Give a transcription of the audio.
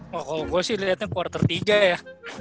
wah kalo gue sih liatnya quarter tiga ya